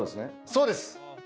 そうです。